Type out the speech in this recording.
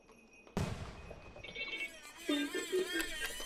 当地还有数间工业及制造单位。